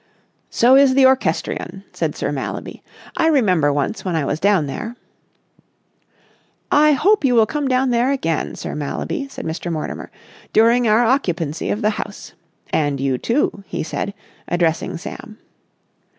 "So is the orchestrion," said Sir Mallaby. "I remember once when I was down there...." "I hope you will come down there again, Sir Mallaby," said Mr. Mortimer, "during our occupancy of the house. And you, too," he said, addressing Sam.